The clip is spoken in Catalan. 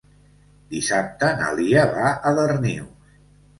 Dissabte na Lia va a Darnius.